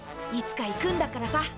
いつか行くんだからさ。